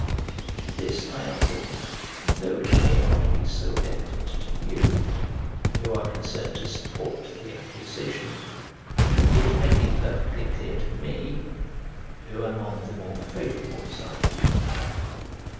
To this I answered, "Though it may not be so evident to you, who are concerned to support the accusation, it may be perfectly clear to me, who am on the more favourable side."